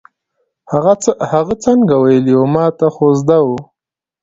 هغه څنګه ویلې وه، ما ته خو زده وه.